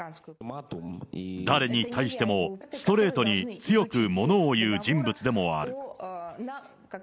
誰に対してもストレートに強くものを言う人物でもある。